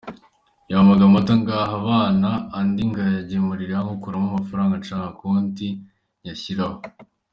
Yampaga amata ngaha abana, andi nkayagemura ngakuramo amafaranga nshaka konti nyashyiraho.